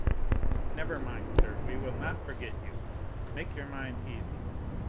"Never mind, sir, we will not forget you; make your mind easy.